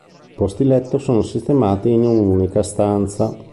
I posti letto sono sistemati in un'unica stanza.